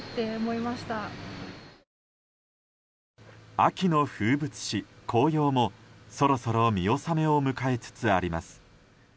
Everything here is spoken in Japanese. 秋の風物詩、紅葉もそろそろ見納めを迎えつつあります。